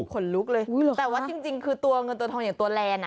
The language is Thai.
ขนลุกเลยแต่ว่าจริงคือตัวเงินตัวทองอย่างตัวแลนด์อ่ะ